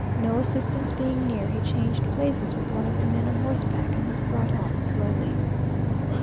No assistance being near, he changed places with one of the men on horseback, and was brought on slowly.